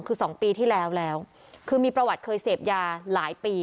คือสองปีที่แล้วแล้วคือมีประวัติเคยเสพยาหลายปี